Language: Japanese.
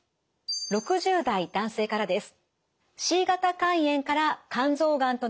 ６０代男性からです。